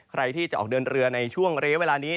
ใครที่จะออกเดินเรือในช่วงระยะเวลานี้